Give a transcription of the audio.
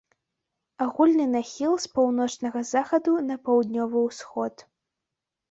Агульны нахіл з паўночнага захаду на паўднёвы ўсход.